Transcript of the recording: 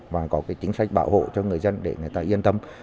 và có chính sách bảo hộ cho người dân để người ta yên tâm